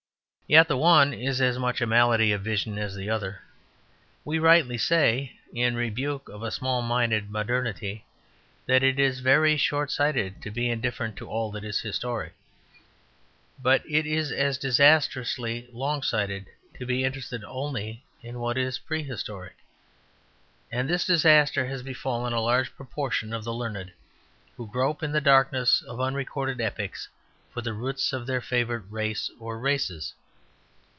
Yet the one is as much a malady of vision as the other. We rightly say, in rebuke of a small minded modernity, that it is very short sighted to be indifferent to all that is historic. But it is as disastrously long sighted to be interested only in what is prehistoric. And this disaster has befallen a large proportion of the learned who grope in the darkness of unrecorded epochs for the roots of their favourite race or races.